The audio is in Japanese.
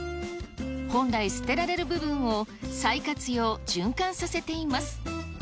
本来捨てられる部分を、再活用、循環させています。